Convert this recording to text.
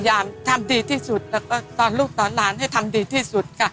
ตั้งแต่เกิดมาอย่างแรกก็ต้องบอกว่าเราก็รู้สึกภูมิใจที่เกิดมาในแผ่นดินของราชกาลที่๙นะครับผม